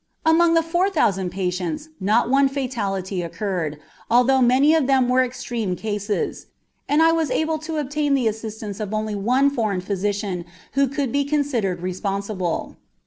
Among the four thousand patients not one fatality occurred, although many of them were extreme cases, and I was able to obtain the assistance of only one foreign physician who could be considered responsible.